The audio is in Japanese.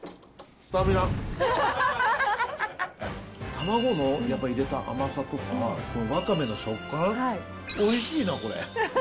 卵のやっぱり入れた甘さとか、わかめの食感、おいしいな、これ。